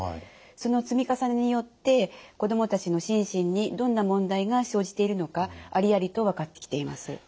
その積み重ねによって子どもたちの心身にどんな問題が生じているのかありありと分かってきています。